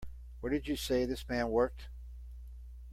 Where did you say this man worked?